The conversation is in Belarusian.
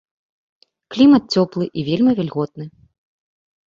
Клімат цёплы і вельмі вільготны.